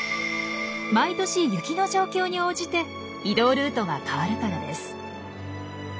毎年雪の状況に応じて移動ルートが変わるからです。